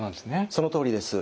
そのとおりです。